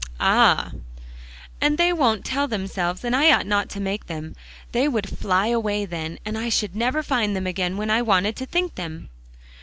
"Ah!" "And they won't tell themselves. And I ought not to make them. They would fly away then, and I should never find them again, when I wanted to think them."